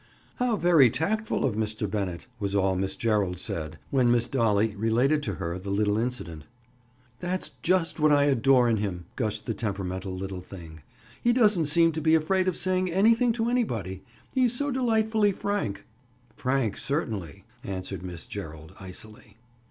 "How very tactful of Mr. Bennett!" was all Miss Gerald said, when Miss Dolly related to her the little incident. "That's just what I adore in him!" gushed the temperamental little thing. "He doesn't seem to be afraid of saying anything to anybody. He's so delightfully frank!" "Frank, certainly!" answered Miss Gerald icily.